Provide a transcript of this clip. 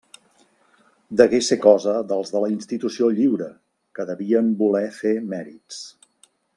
Degué ser cosa dels de la Institució Lliure, que devien voler fer mèrits.